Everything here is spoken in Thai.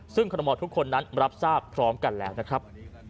ซึ่งคอรมอลทุกคนนั้นรับทราบพร้อมกันแล้วนะครับ